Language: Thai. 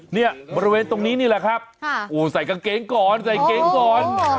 เนี่ยบริเวณตรงนี้นี่แหละครับโอ้ใส่กางเกงก่อนใส่เกงก่อน